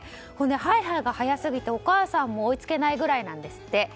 ハイハイが速すぎてお母さんも追いつけないぐらいなんですって。